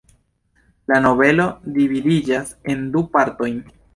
La novelo dividiĝas en du partojn.